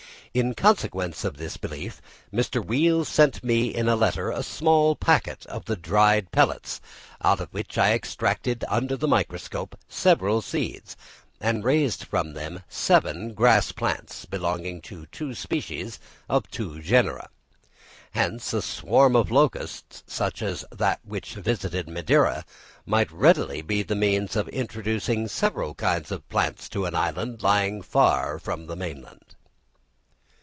In consequence of this belief Mr. Weale sent me in a letter a small packet of the dried pellets, out of which I extracted under the microscope several seeds, and raised from them seven grass plants, belonging to two species, of two genera. Hence a swarm of locusts, such as that which visited Madeira, might readily be the means of introducing several kinds of plants into an island lying far from the mainland.